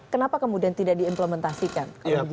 kenapa kemudian tidak diimplementasikan